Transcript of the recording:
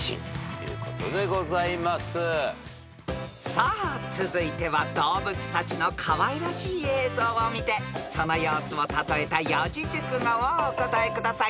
［さあ続いては動物たちのかわいらしい映像を見てその様子を例えた四字熟語をお答えください］